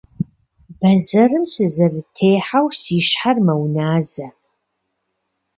Бэзэрым сызэрытехьэу си щхьэр мэуназэ.